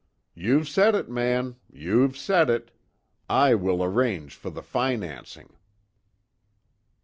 "You've said it man! You've said it! I will arrange for the financing."